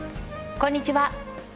こんにちは。